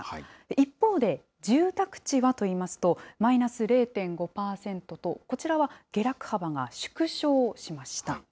一方で、住宅地はといいますと、マイナス０．５％と、こちらは下落幅が縮小しました。